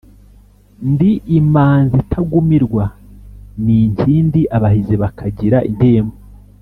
ndi imanzi itagumirwa n’inkindi, abahizi bakagira intimba.